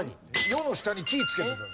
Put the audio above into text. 「世」の下に「木」つけてた。